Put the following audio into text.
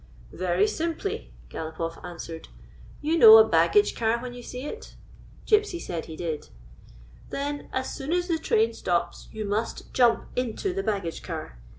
" Very simply," Galopoff answered. " You know a baggage car when you see it?" Gypsy said he did. "Then as soon as the train stops you must jump into the baggage car.